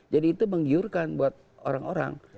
jadi itu menggiurkan buat orang orang